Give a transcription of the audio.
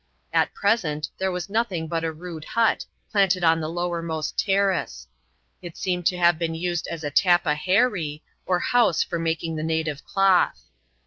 At present, there was nothing but a rude hut, planted on the lowermost terrace. It seemed to have been used as a " tappa herreef^ or house for making the native cloth.